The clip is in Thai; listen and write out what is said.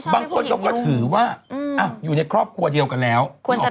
บางคนเราก็ถือว่าอยู่ในครอบครัวเดียวกันแล้ว